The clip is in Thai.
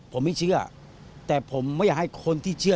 ผมไม่เชื่อแต่ผมไม่อยากให้คนที่เชื่อ